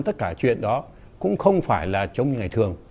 tất cả chuyện đó cũng không phải là chống ngày thường